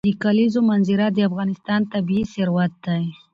د کلیزو منظره د افغانستان طبعي ثروت دی.